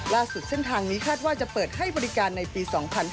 ล่าสุดเส้นทางมีคาดว่าจะเปิดให้บริการในปี๒๕๖๒